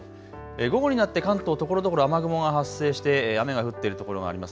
午後になって関東、ところどころ雨雲が発生して雨が降っている所があります。